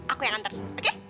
aku yang antar oke